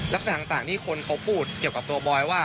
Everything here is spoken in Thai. ลักษณะต่างที่คนเขาพูดเกี่ยวกับตัวบอยว่า